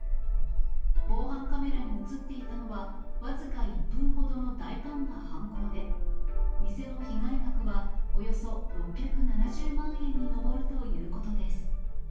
防犯カメラに写っていたのは、僅か１分ほどの大胆な犯行で、店の被害額はおよそ６７０万円に上るということです。